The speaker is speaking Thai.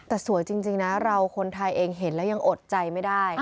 แต่สวยจริงนะเราคนไทยเองเห็นแล้วยังอดใจไม่ได้